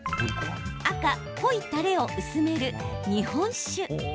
赤・濃いたれを薄める日本酒。